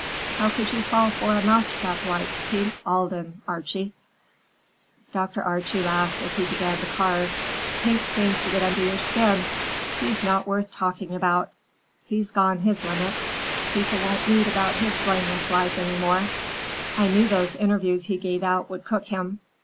How could you fall for a mouse trap like Pink Alden, Archie?" Dr. Archie laughed as he began to carve. "Pink seems to get under your skin. He's not worth talking about. He's gone his limit. People won't read about his blameless life any more. I knew those interviews he gave out would cook him.